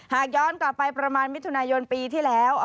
หากย้อนกลับไปประมาณมิถุนายนปีที่แล้ว